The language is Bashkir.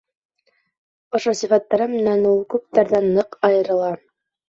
Ошо сифаттары менән ул күптәрҙән ныҡ айырыла.